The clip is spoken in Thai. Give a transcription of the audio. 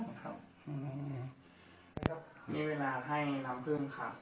มีเวลาให้น้ำพื้นครับจะให้ทุกวันครับจะทำให้โตขึ้นครับ